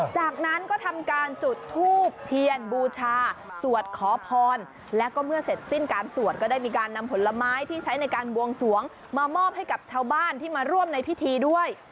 จากนั้นก็ทำการจุดทูบเทียนบูชาสวดขอพรแล้วก็เมื่อเสร็จสิ้นการสวดก็ได้มีการนำผลไม้ที่ใช้ในการบวงสวงมามอบให้กับชาวบ้านที่มาร่วมในพิธีด้วย